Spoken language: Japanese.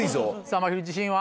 まひる自信は？